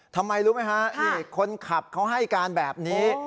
ทำไมรู้ไหมฮะนี่คนขับเขาให้การแบบนี้